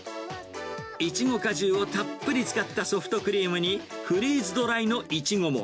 イチゴ果汁をたっぷり使ったソフトクリームに、フリーズドライのイチゴも。